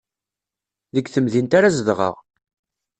Deg temdint ara zedɣeɣ.